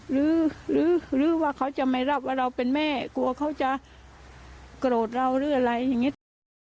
หรือว่าเขาจะไม่รับว่าเราเป็นแม่กลัวเขาจะโกรธเราหรืออะไรอย่างนี้ตลอด